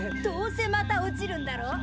どうせまた落ちるんだろ。